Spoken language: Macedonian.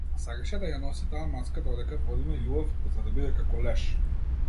Сакаше да ја носи таа маска додека водиме љубов, за да биде како леш.